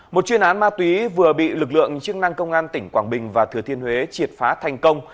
một chuyên án ma túy vừa bị lực lượng chức năng công an tỉnh quảng bình và thừa thiên huế triệt phá thành công